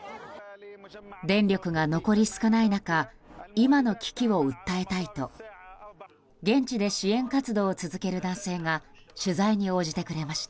電力が残り少ない中今の危機を訴えたいと現地で支援活動を続ける男性が取材に応じてくれました。